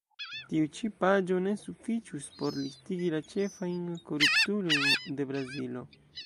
Tiu ĉi paĝo ne sufiĉus por listigi la ĉefajn koruptulojn de Brazilo.